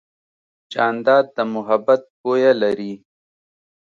جانداد د محبت بویه لري.